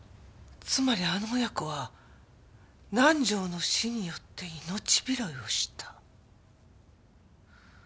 つまりあの親子は南条の死によって命拾いをした。